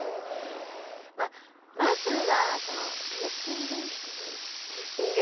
まぁまずはそのテースティングしてみるわテースティング？